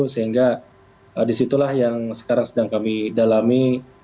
sehingga disitulah yang sekarang sedang kami dalami